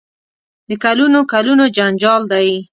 د کلونو کلونو جنجال دی.